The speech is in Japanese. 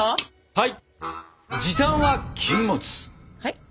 はい。